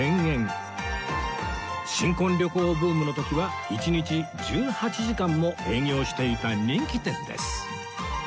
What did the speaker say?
新婚旅行ブームの時は１日１８時間も営業していた人気店です